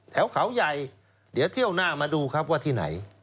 แถวเขาใหญ่เดี๋ยวเที่ยวหน้ามาดูครับว่าที่ไหน